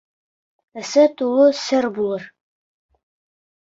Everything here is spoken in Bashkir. Эсе тулы сер булыр.